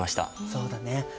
そうだね。